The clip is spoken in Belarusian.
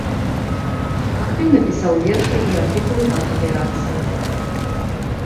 Актыўна пісаў вершы і артыкулы па кааперацыі.